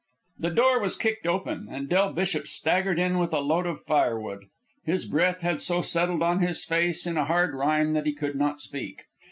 The door was kicked open, and Del Bishop staggered in with a load of fire wood. His breath had so settled on his face in a white rime that he could not speak.